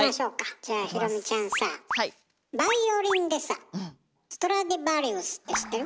じゃあ裕美ちゃんさぁバイオリンでさストラディヴァリウスって知ってる？